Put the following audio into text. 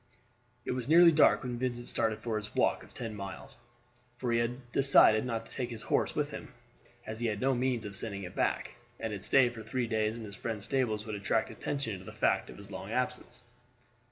It was nearly dark when Vincent started for his walk of ten miles; for he had decided not to take his horse with him, as he had no means of sending it back, and its stay for three days in his friend's stables would attract attention to the fact of his long absence.